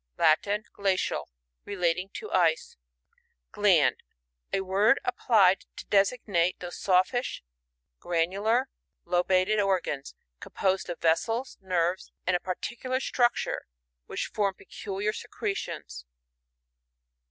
— Latin. Glacial. Rela ting to ice. Gland. — A word applied to desig. nate those soflish, granular, loba ted organs, composed of vessels, nerves, and a particular structure, which form peculiar secretions.